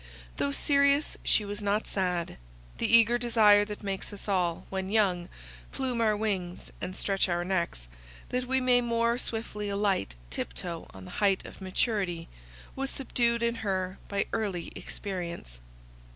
Though serious she was not sad; the eager desire that makes us all, when young, plume our wings, and stretch our necks, that we may more swiftly alight tiptoe on the height of maturity, was subdued in her by early experience.